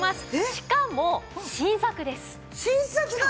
しかも新作です。